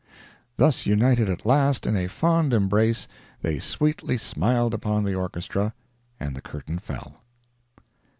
Thus united at last in a fond embrace, they sweetly smiled upon the orchestra and the curtain fell.